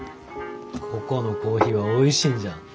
ここのコーヒーはおいしいんじゃ。